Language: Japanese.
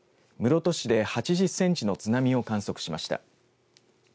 室戸市で８０センチの津波を観測しました。